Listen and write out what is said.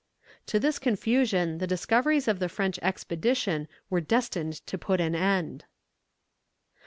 To this confusion the discoveries of the French expedition were destined to put an end.